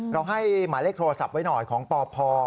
ให้หมายเลขโทรศัพท์ไว้หน่อยของปพ